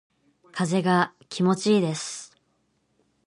風が気持ちいいです。